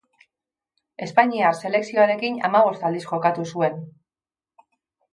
Espainiar selekzioarekin hamabost aldiz jokatu zuen.